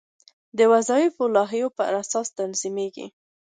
دا د وظایفو د لایحې په اساس تنظیمیږي.